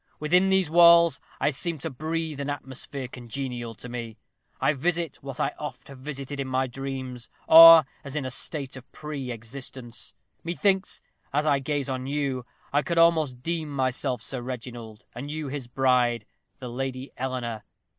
Within these halls I seem to breathe an atmosphere congenial to me. I visit what I oft have visited in my dreams; or as in a state of pre existence. Methinks, as I gaze on you, I could almost deem myself Sir Reginald, and you his bride, the Lady Eleanor.